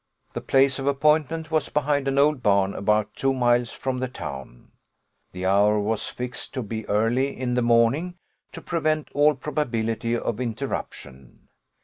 The place of appointment was behind an old barn, about two miles from the town of . The hour was fixed to be early in the morning, to prevent all probability of interruption.